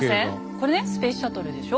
これねスペースシャトルでしょ？